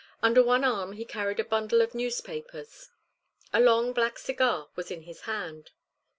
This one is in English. Under one arm he carried a bundle of newspapers. A long black cigar was in his hand.